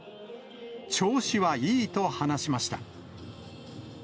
調子はいいと話しました。